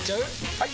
・はい！